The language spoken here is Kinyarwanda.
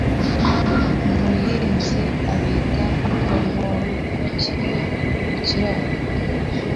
Umuhinzi abika romoruki ye mu kiraro.